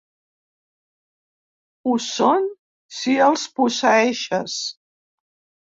Ho són si els posseeixes.